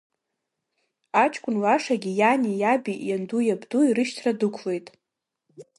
Аҷкәын Лашагьы иани иаби, иандуи иабдуи рышьҭра дықәлеит.